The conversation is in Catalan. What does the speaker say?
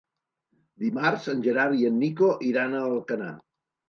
Dimarts en Gerard i en Nico iran a Alcanar.